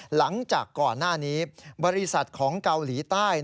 หลังจากก่อนหน้านี้บริษัทของเกาหลีใต้